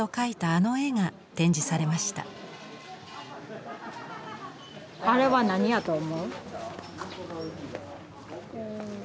あれは何やと思う？